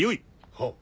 はっ。